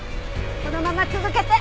このまま続けて。